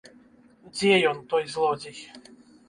Дзе ён, той злодзей?